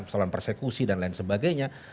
persoalan persekusi dan lain sebagainya